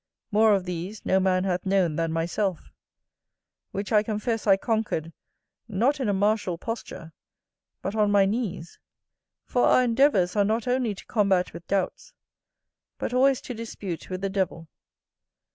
More of these no man hath known than myself; which I confess I conquered, not in a martial posture, but on my knees. For our endeavours are not only to combat with doubts, but always to dispute with the devil.